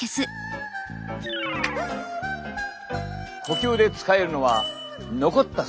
呼吸で使えるのは残ったスペース。